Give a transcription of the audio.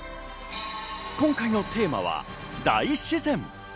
今回のテーマは大自然。